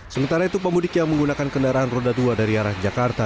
sementara itu pemudik yang menggunakan kendaraan roda dua dari arah jakarta